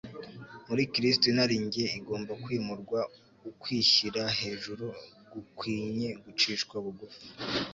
muri Kristo. Inarinjye igomba kwimurwa ukwshyira hejuru gukwinye gucishwa bugufi